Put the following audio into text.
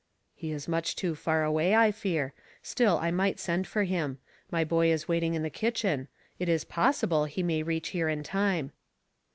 "He is much too far away, I fear; still 1 might send for him. My boy is waiting in the kitchen ; it is possible he may reach here in time."